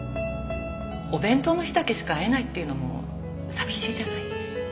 お弁当の日だけしか会えないっていうのも寂しいじゃない。